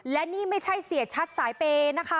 และนี่ไม่ใช่เสียชัดสายเปย์นะคะ